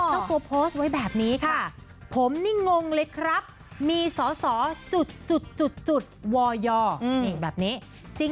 เจ้าตัวโพสต์ไว้แบบนี้ค่ะผมนี่งงเลยครับมีสอสอจุดวอยนี่แบบนี้